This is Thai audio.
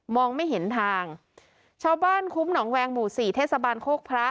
ไม่เห็นทางชาวบ้านคุ้มหนองแวงหมู่สี่เทศบาลโคกพระ